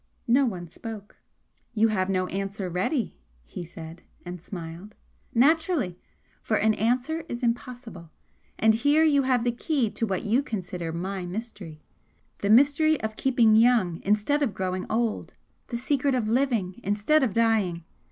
No one spoke. "You have no answer ready," he said and smiled "Naturally! For an answer is impossible! And here you have the key to what you consider my mystery the mystery of keeping young instead of growing old the secret of living instead of dying!